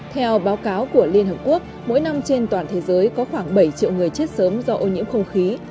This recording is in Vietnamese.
theo báo cáo của liên hợp quốc mỗi năm trên toàn thế giới có khoảng bảy triệu người chết sớm do ô nhiễm không khí